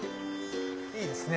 いいですね。